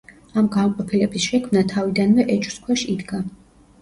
ამ განყოფილების შექმნა თავიდანვე ეჭვს ქვეშ იდგა.